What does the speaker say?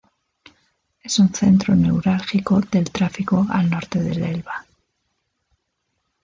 Es un centro neurálgico del tráfico al norte del Elba.